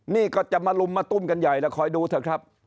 นี่ก็จะมาลุมมาตุ้มกันใหญ่แล้วคอยดูเถอะครับ